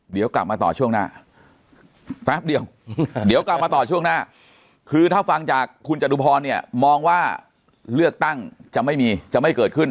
เดี๋ยวกลับมาต่อช่วงหน้าแป๊บเดียวเดี๋ยวกลับมาต่อช่วงหน้าคือถ้าฟังจากคุณจตุพรเนี่ยมองว่าเลือกตั้งจะไม่มีจะไม่เกิดขึ้น